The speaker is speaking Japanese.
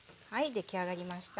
出来上がりました。